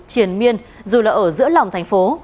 triền miên dù là ở giữa lòng thành phố